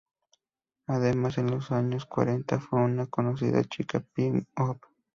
Además, en los años cuarenta fue una conocida chica pin-up.